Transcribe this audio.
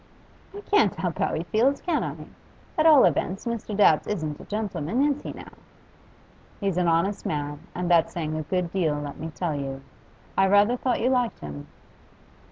'I can't help how he feels, can I? At all events, Mr. Dabbs isn't a gentleman, is he, now?' 'He's an honest man, and that's saying a good deal, let me tell you. I rather thought you liked him.